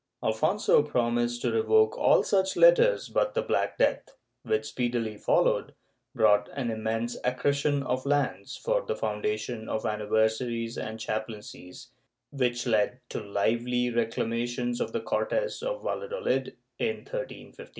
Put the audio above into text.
Alfonso promised to revoke all such letters but the Black Death, which speedily followed, brought an immense accretion of lands for the foundation of anniversaries and chaplaincies, which led to lively reclamations by the Cortes of Valladolid, in 1351.'